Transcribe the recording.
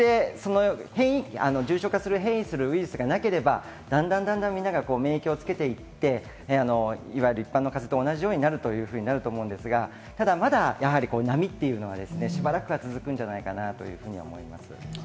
重症化する、変異するウイルスがなければ、だんだんみんなが免疫をつけていって、いわゆる一般の風邪と同じようになるというふうになると思うんですが、まだ波っていうのは、しばらく続くんじゃないかなというふうに思います。